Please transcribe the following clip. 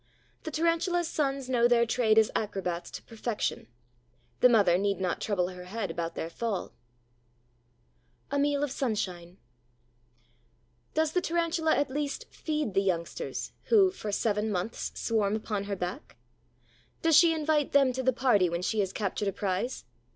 The Tarantula's sons know their trade as acrobats to perfection: the mother need not trouble her head about their fall. A MEAL OF SUNSHINE Does the Tarantula at least feed the youngsters who, for seven months, swarm upon her back? Does she invite them to the party when she has captured a prize?